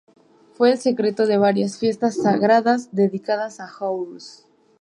Fue el centro de varias fiestas sagradas dedicadas a Horus.